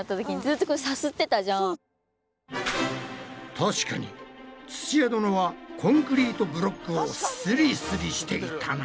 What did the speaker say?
確かに土屋殿はコンクリートブロックをスリスリしていたな。